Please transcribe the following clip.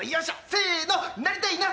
せーの、なりたいな！